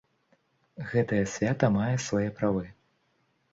Гэтае свята мае свае правы.